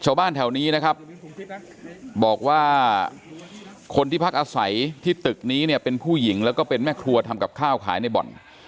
ชาวบ้านแถวนี้นะครับบอกว่าคนที่พักอาศัยที่ตึกนี้เนี่ยเป็นผู้หญิงแล้วก็เป็นแม่ครัวทำกับข้าวขายในบ่อน